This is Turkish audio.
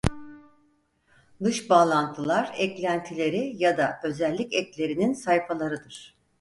Dış bağlantılar eklentileri ya da özellik eklerinin sayfalarıdır.